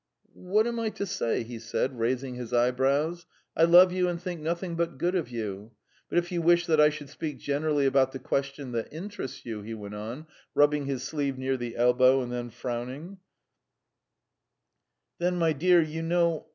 "What am I to say?" he said, raising his eyebrows. "I love you and think nothing but good of you. But if you wish that I should speak generally about the question that interests you," he went on, rubbing his sleeve near the elbow and frowning, "then, my dear, you know